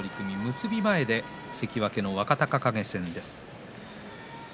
結び前で関脇の若隆景戦です。